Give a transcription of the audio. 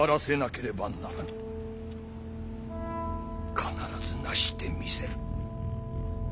必ず成してみせる。